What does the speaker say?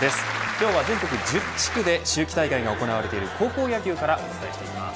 今日は全国１０地区で秋季大会が行われている高校野球からお伝えしていきます。